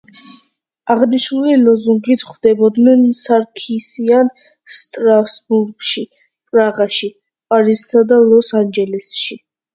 აღნიშნული ლოზუნგით ხვდებოდნენ სარქისიანს სტრასბურგში, პრაღაში, პარიზსა და ლოს-ანჯელესში.